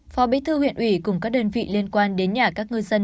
phó bí thư huyện ủy cùng các đơn vị liên quan đến nhà các ngư dân